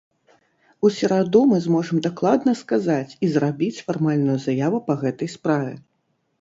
У сераду мы зможам дакладна сказаць і зрабіць фармальную заяву па гэтай справе.